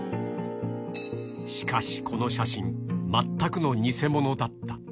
しかし、この写真、全くの偽物だった。